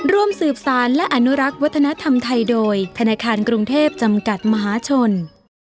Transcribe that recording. ร่วมสืบสารและอนุรักษ์วัฒนธรรมไทยโดยธนาคารกรุงเทพจำกัดมหาชน